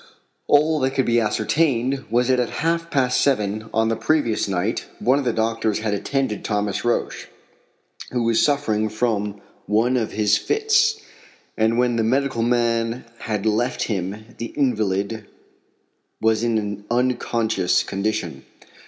All that could be ascertained was that at half past seven on the previous night one of the doctors had attended Thomas Roch, who was suffering from one of his fits, and that when the medical man had left him the invalid was in an unconscious condition.